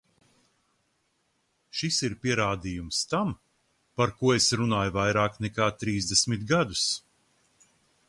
Šis ir pierādījums tam, par ko es runāju vairāk nekā trīsdesmit gadus.